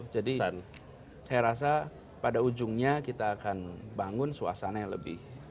jadi saya rasa pada ujungnya kita akan bangun suasana yang lebih